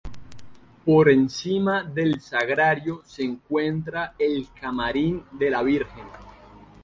Por encima del Sagrario se encuentra el Camarín de la Virgen.